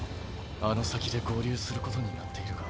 あの先で合流することになっているが。